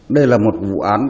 đây là một vụ án